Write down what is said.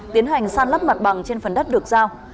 tiến hành san lấp mặt bằng trên phần đất được giao